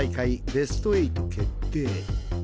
ベスト８決定。